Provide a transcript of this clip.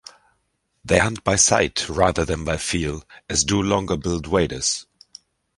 They hunt by sight, rather than by feel as do longer-billed waders.